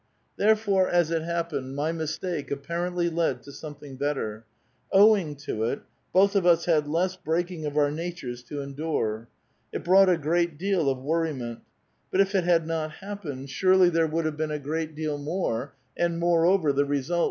''Tlierefore, as it happened, my mistake apparently led to something better ; owing to it, both of us had less breaking of our natures to endure. It brought a great deal of worri ment ; but if it had not happened, surely there would have A VITAL QUESTION.